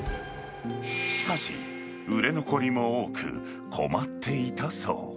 しかし、売れ残りも多く、困っていたそう。